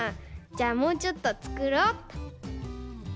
じゃあもうちょっとつくろうっと。